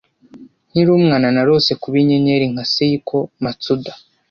Nkiri umwana, narose kuba inyenyeri nka Seiko Matsuda.